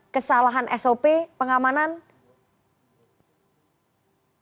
kesalahan sop pengamanan